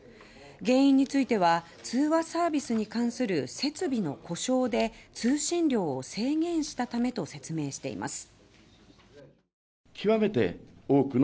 原因については通話サービスに関する設備の故障で通信量を制限したためと説明しています。